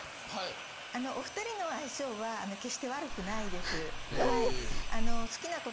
あのお２人の相性は決して悪くないですはい。